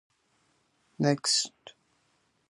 کتاب د هرې بریا پیل او د هرې نېکمرغۍ اساس دی.